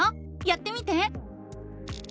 やってみて！